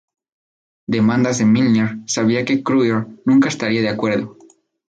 Demandas que Milner sabía que Kruger nunca estaría de acuerdo.